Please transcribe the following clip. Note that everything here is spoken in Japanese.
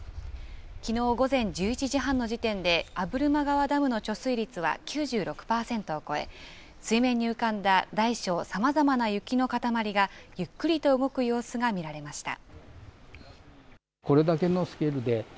きのう午前１１時半の時点で、破間川ダムの貯水率は９６％を超え、水面に浮かんだ大小さまざまな雪の塊が、ゆっくりと動く様子が見られました。